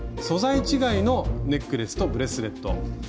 素材違いのネックレスとブレスレット。